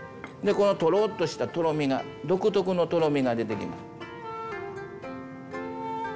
でこのとろっとしたとろみが独特のとろみが出てきます。